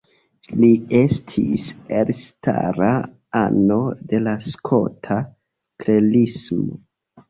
Li estis elstara ano de la Skota Klerismo.